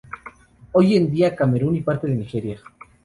Hoy en día Camerún y parte de Nigeria.